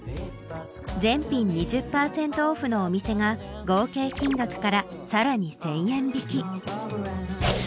全品２０％オフのお店が合計金額からさらに１０００円引き。